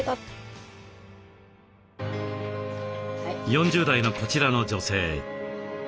４０代のこちらの女性。